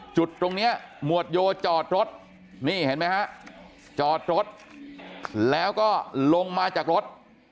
จุดตรงนี้หมวดโยจอดรถนี่เห็นไหมฮะจอดรถแล้วก็ลงมาจากรถ